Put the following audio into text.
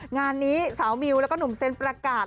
งานนี้สาวมิวแล้วก็หนุ่มเซ็นประกาศ